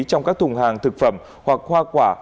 trong các thùng hàng thực phẩm hoặc hoa quả